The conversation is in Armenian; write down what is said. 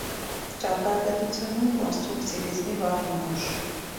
Ճարտարապետությունում կոնստրուկտիվիզմի վառ նմուշ։